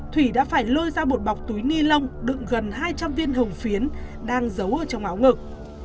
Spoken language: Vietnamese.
thủy đã phải lôi ra một bọc túi ni lông đựng gần hai trăm linh viên hồng phiến đang giấu ở trong áo ngực